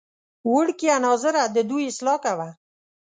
وړکیه ناظره ددوی اصلاح کوه.